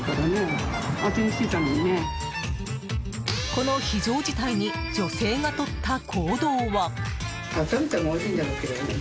この非常事態に女性がとった行動は。